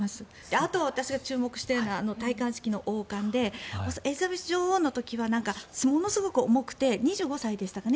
あと、私が注目してるのは戴冠式の王冠でエリザベス女王の時はものすごく重くて２５歳でしたかね